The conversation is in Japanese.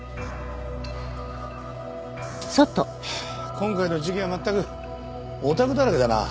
今回の事件はまったくオタクだらけだなあ。